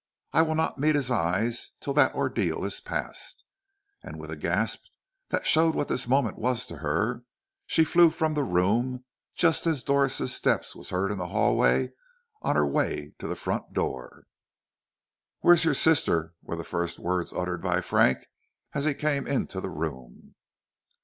I will not meet his eyes till that ordeal is passed." And with a gasp that showed what this moment was to her, she flew from the room, just as Doris' step was heard in the hall on her way to the front door. "Where is your sister?" were the first words uttered by Frank, as he came into the room.